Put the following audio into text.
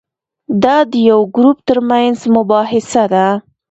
دا د یو ګروپ ترمنځ مباحثه ده.